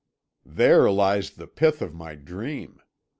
"There lies the pith of my dream.